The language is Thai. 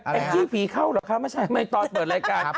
อะไรฮะไอ้ขี้ผีเข้าหรอกคะไม่ใช่ไม่ตอนเปิดรายการ